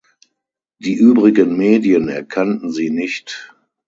Die übrigen Medien erkannten sie nicht.